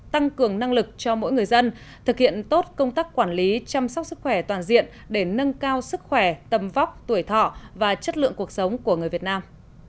tăng cường năng lực cho mỗi người dân thực hiện tốt công tác quản lý chăm sóc sức khỏe toàn diện để nâng cao sức khỏe tâm vóc tuổi thọ và chất lượng cuộc sống của người việt nam